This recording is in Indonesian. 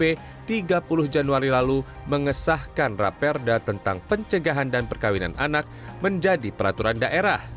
pada tiga puluh januari lalu mengesahkan raperda tentang pencegahan dan perkawinan anak menjadi peraturan daerah